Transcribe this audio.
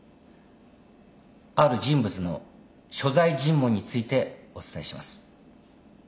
ある人物の所在尋問についてお伝えします。